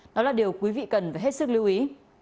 đó là điều quý vị cần phải hết sức lưu ý